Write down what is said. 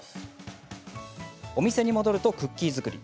お店に戻るとクッキー作り。